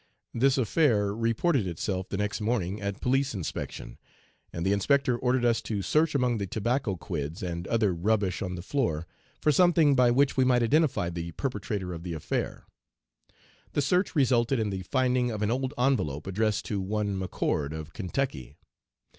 This affair reported itself the next morning at 'Police Inspection,' and the inspector ordered us to search among the tobacco quids, and other rubbish on the floor, for something by which we might identify the perpetrator of the affair. The search resulted in the finding of an old envelope, addressed to one McCord, of Kentucky.